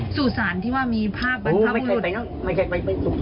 สู่สารที่ว่ามีภาพมันธังหลุด